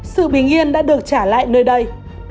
sự bình yên đã được trả lại nơi đây